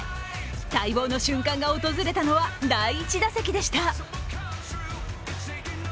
待望の瞬間が訪れたのは第１打席でした。